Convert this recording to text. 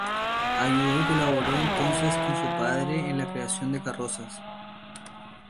Ayudó y colaboró entonces con su padre en la creación de carrozas.